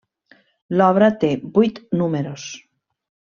L'obra té vuit números.